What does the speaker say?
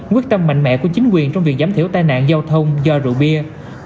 quyết tâm mạnh mẽ của chính quyền trong việc giảm thiểu tai nạn giao thông do rượu bia